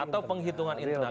atau penghitungan internal